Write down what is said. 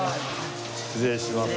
失礼します。